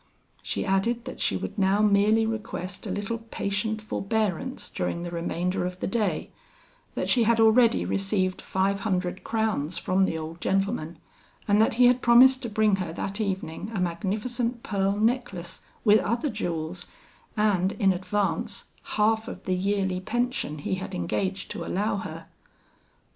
She added that she would now merely request a little patient forbearance during the remainder of the day; that she had already received five hundred crowns from the old gentleman, and that he had promised to bring her that evening a magnificent pearl necklace with other jewels, and, in advance, half of the yearly pension he had engaged to allow her.